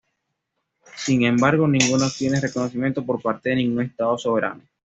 Sin embargo, ninguna obtiene reconocimiento por parte de ningún estado soberano.